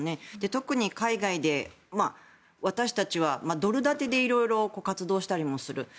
特に海外で私たちはドル建てで色々活動したりする。